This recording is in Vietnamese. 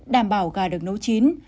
đảm bảo gà được nấu chín